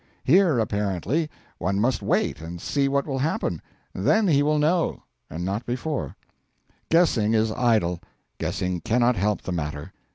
Here, apparently, one must wait and see what will happen, then he will know, and not before; guessing is idle; guessing cannot help the matter.